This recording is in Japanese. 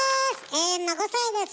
永遠の５さいです。